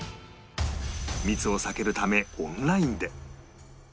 密を避けるためオンラインで